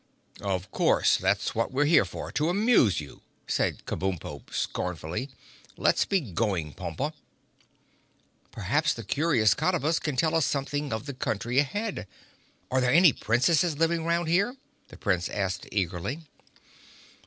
"Of course—that's what we're here for—to amuse you!" said Kabumpo scornfully. "Let's be going, Pompa!" "Perhaps the Curious Cottabus can tell us something of the country ahead. Are there any Princesses living 'round here?" the Prince asked eagerly.